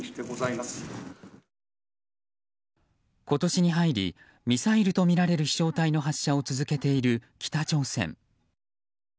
今年に入りミサイルとみられる飛翔体の発射を続けている北朝鮮。